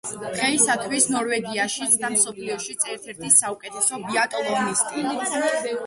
დღეისათვის ნორვეგიაშიც და მსოფლიოშიც ერთ-ერთი საუკეთესო ბიატლონისტი.